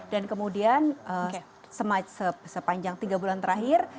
dan kemudian sepanjang tiga bulan terakhir